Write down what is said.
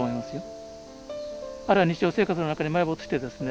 あるいは日常生活の中に埋没してですね